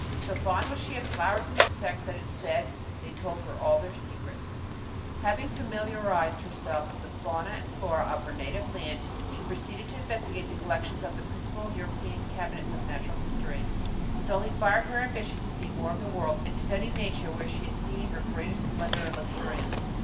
So fond was she of flowers and insects that it is said they told her all their secrets. After having familiarized herself with the fauna and flora of her native land, she proceeded to investigate the collections of the principal European cabinets of natural history. This only fired her ambition to see more of the world and study Nature where she is seen in her greatest splendor and luxuriance.